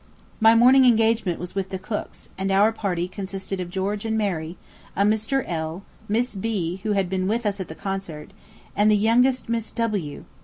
. My morning engagement was with the Cookes, and our party consisted of George and Mary, a Mr. L., Miss B., who had been with us at the concert, and the youngest Miss W.